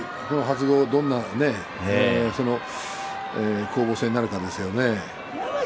どんな攻防戦になるかですね。